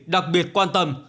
đặc biệt quan tâm